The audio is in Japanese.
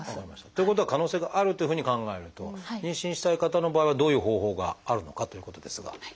ということは可能性があるというふうに考えると妊娠したい方の場合はどういう方法があるのかということですが。